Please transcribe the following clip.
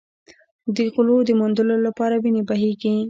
د غلو د موندلو لپاره وینې بهېږي.